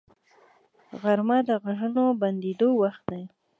غرمه د غږونو بندیدو وخت دی